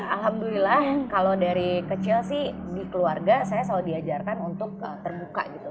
alhamdulillah kalau dari kecil sih di keluarga saya selalu diajarkan untuk terbuka gitu